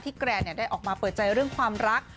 แกรนได้ออกมาเปิดใจเรื่องความรัก